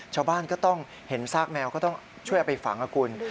ชาวบ้านก็ต้องเห็นซากแมวก็ต้องช่วยเอาไปฝังนะคุณ